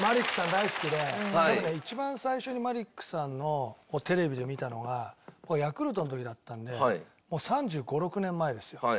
大好きで多分ね一番最初にマリックさんをテレビで見たのがヤクルトの時だったんで３５３６年前ですよ。